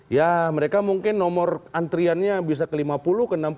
ya mereka mungkin nomor antriannya bisa ke lima puluh ke enam puluh